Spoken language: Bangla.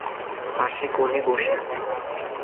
পাশে কনে বসে আছে।